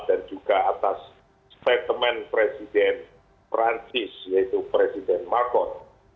dan juga atas statement presiden perancis yaitu presiden macron